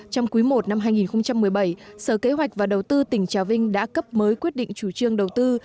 trong quý i năm hai nghìn một mươi bảy sở kế hoạch và đầu tư tỉnh trà vinh đã cấp mới quyết định chủ trương đầu tư